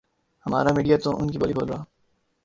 ہمارا میڈیا تو انکی بولی بول رہا ۔